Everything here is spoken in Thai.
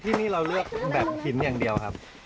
ที่นี่เราเลือกแบบหินอย่างเดียวครับ